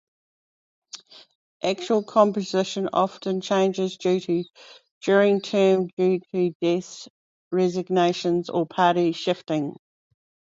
Actual composition often changes during term, due to deaths, resignations or party shifting.